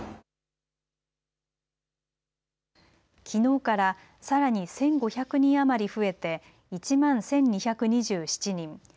きのうからさらに１５００人余り増えて１万１２２７人。